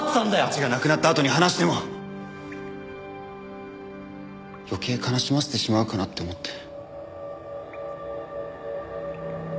早智が亡くなったあとに話しても余計悲しませてしまうかなって思って。